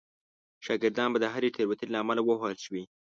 شاګردان به د هرې تېروتنې له امله ووهل شول.